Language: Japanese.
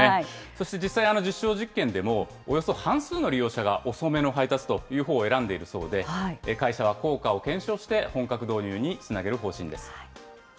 そして実際、実証実験でも、およそ半数の利用者が遅めの配達というほうを選んでいるそうで、会社は効果を検証して本格導入につなげる方針です。